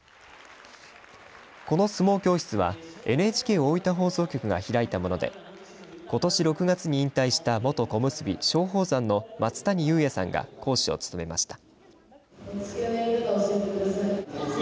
この相撲教室はＮＨＫ大分放送局が開いたものでことし６月に引退した元小結松鳳山の松谷裕也さんが講師を務めました。